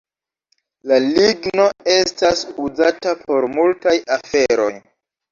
La ligno estas uzata por multaj aferoj.